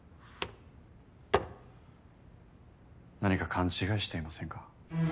何か勘違いしていませんか？